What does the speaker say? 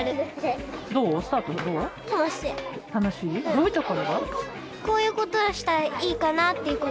どういうところが？